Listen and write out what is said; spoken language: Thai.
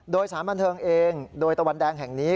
โดยสารบันเทิงเองโดยตะวันแดงแห่งนี้